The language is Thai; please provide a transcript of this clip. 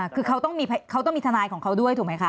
คือเขาต้องมีทนายของเขาด้วยถูกไหมคะ